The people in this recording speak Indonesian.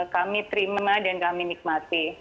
kami terima dan kami nikmati